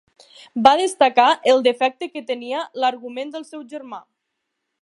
Va destacar el defecte que tenia l'argument del seu germà.